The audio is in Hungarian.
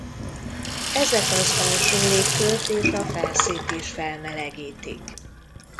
Ezek az alsó légkört és a felszínt is felmelegítik.